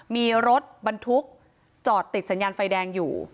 มีรถบรรทุกจอดติดสัญญาณไฟแดงอยู่